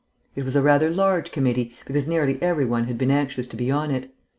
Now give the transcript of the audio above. It was a rather large committee, because nearly every one had been anxious to be on it.